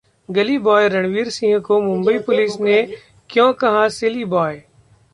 गली बॉय रणवीर सिंह को मुंबई पुलिस ने क्यों कहा Silly Boy?